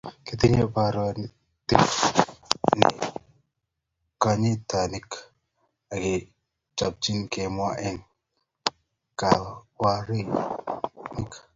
Kitinye baorinik nekonyitot akechopotin kemwa eng kapkirwokini